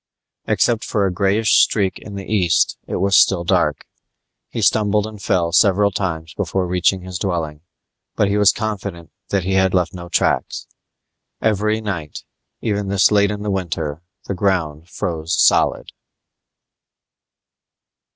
Except for a greyish streak in the east, it was still dark. He stumbled and fell several times before reaching his dwelling, but he was confident that he had left no tracks. Every night, even this late in the winter, the ground froze solid.